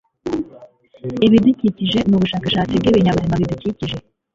Ibidukikije ni ubushakashatsi bwibinyabuzima bidukikije.